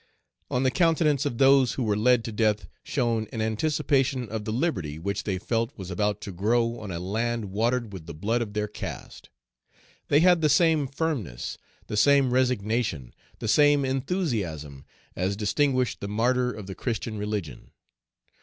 On the countenance of those who were led to death shone an Page 264 anticipation of the liberty which they felt was about to grow on a land watered with the blood of their caste. They had the same firmness, the same resignation, the same enthusiasm as distinguished the martyr of the Christian religion.